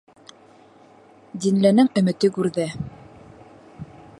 Динленең өмөтө гүрҙә